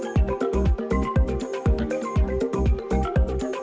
jadi kita bisa mandiri sayuran